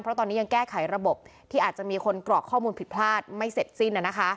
เพราะตอนนี้ยังแก้ไขระบบที่อาจจะมีคนกรอกข้อมูลผิดพลาดไม่เสร็จสิ้น